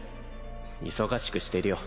忙しくしてるよ。